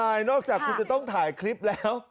ใช่นอกจากคุณจะต้องถ่ายคลิปแล้ว